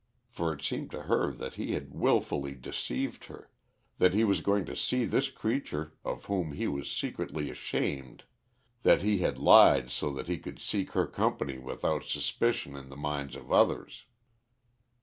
For it seemed to her that he had wilfully deceived her, that he was going to see this creature of whom he was secretly ashamed, that he had lied so that he could seek her company without suspicion in the minds of others.